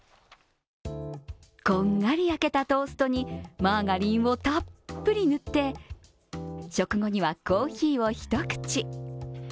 こんがり焼けたトーストにマーガリンをたっぷり塗って食後にはコーヒーを一口。